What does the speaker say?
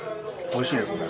おいしいですね。